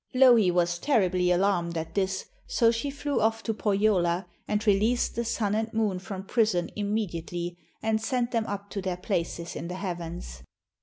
Louhi was terribly alarmed at this, so she flew off to Pohjola and released the Sun and Moon from prison immediately, and sent them up to their places in the heavens.